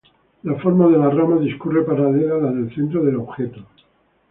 La forma de las ramas discurre paralela a la del centro del objeto.